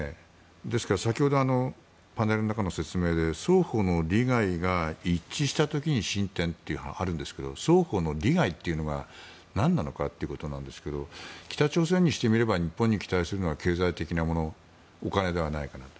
ですから先ほどパネルの中の説明で双方の利害が一致した時に進展というのがあるんですが双方の利害っていうのが何なのかということですけど北朝鮮にしてみれば日本に期待するのは経済的なものお金ではないかなと。